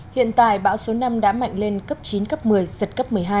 hiện tại bão số năm đã mạnh lên cấp chín cấp một mươi giật cấp một mươi hai